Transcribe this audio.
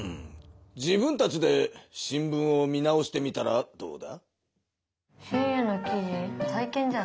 自分たちで新聞を見直してみたらどうだ？